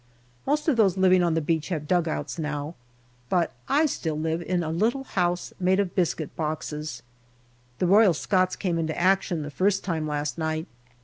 Most of those living on the beach have dugouts now, but I still live in a little house made of biscuit boxes. The Royal Scots came into action the first time last night.